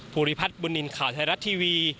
ภูริพัฒน์บุญนินทร์ข่าวไทยรัฐทีวี